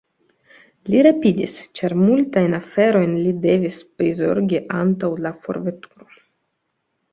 Li rapidis, ĉar multajn aferojn li devis prizorgi antaŭ la forveturo.